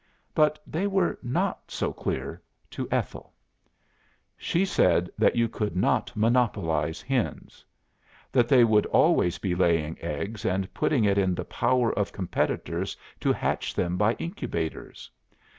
But they were not so clear to Ethel. She said that you could not monopolise hens. That they would always be laying eggs and putting it in the power of competitors to hatch them by incubators.